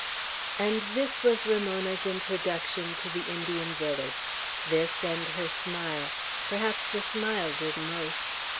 And this was Ramona's introduction to the Indian village, this and her smile; perhaps the smile did most.